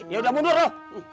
ya udah mundur lo